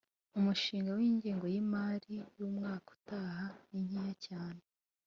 umushinga w ‘ingengo y ‘imari y ‘umwaka utaha ninkeya cyane.